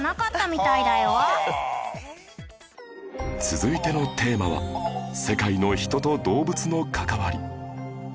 続いてのテーマは世界の人と動物の関わり